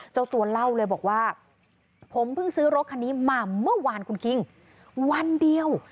เจ้าตัวเล่าเลยบอกว่าผมเพิ่งซื้อรถคันนี้มาเมื่อวานคุณคิงวันเดียว